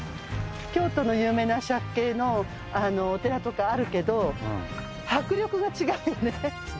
京都の有名な借景のお寺とかあるけど迫力が違うよね。